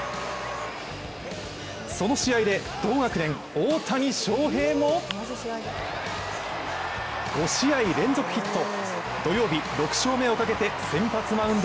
その試合で同学年、大谷翔平も５試合連続ヒット！